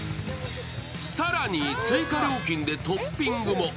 更に追加料金でトッピングも。